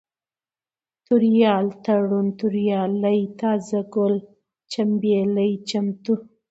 توريال ، تړون ، توريالی ، تازه گل ، چمبېلى ، چمتو